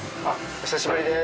お久しぶりです。